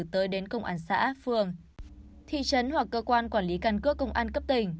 tới đến công an xã phương thị trấn hoặc cơ quan quản lý cân cước công an cấp tỉnh